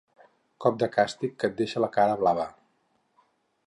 Cop de càstig que et deixa la cara blava.